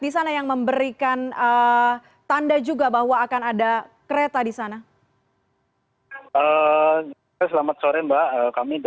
selamat sore mbak